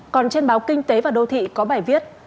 còn trên báo kinh tế và đô thị có bài viết